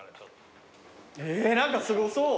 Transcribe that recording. えっ何かすごそう。